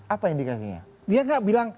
apa indikasinya dia nggak bilang